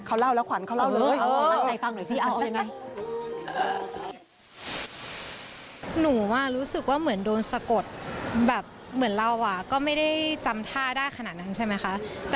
เขาแล้วขวานเขาก็จะไปเลย